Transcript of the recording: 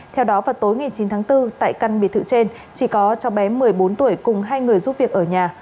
theo đó vào tối ngày chín tháng bốn tại căn biệt thự trên chỉ có cho bé một mươi bốn tuổi cùng hai người giúp việc ở nhà